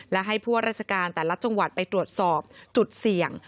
และให้ผู้ว่าราชการแต่ละจังหวัดไปตรวจสอบจุดเสี่ยง